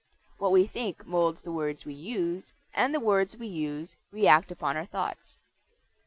What we think molds the words we use, and the words we use react upon our thoughts.